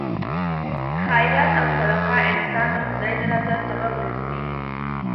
خیرات او صدقه انسان د خدای د رضا سبب ګرځي.